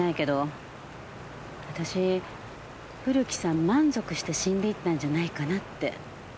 私古木さん満足して死んでいったんじゃないかなって。